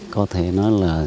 có thể nói là